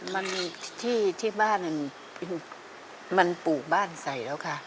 มันที่บ้านมันปลูกบ้านใส่แล้วค่ะ